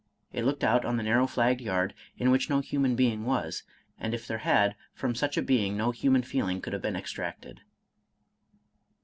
It looked out on the narrow flagged yard, in which no human being was; and if there had, from such a being no human feeling could have been extracted.